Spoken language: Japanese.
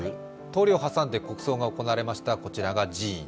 通りを挟んで国葬が行われました、こちらが寺院。